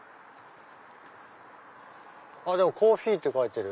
あっコーヒーって書いてる。